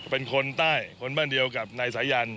เป็นคนใต้คนบ้านเดียวกับนายสายัน